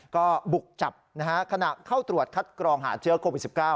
ก็บุกจับขณะเข้าตรวจคัดกรองหาเชื้อโควิด๑๙